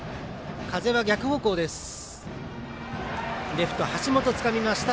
レフト橋本つかみました。